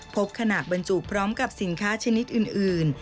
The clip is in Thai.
พบขนาดบรรจุพร้อมกับสินค้าชนิดอื่น